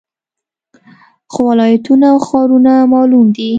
خو ولایتونه او ښارونه معلوم دي